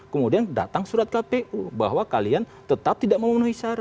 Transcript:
kemudian datang surat kpu bahwa kalian tetap tidak memenuhi syarat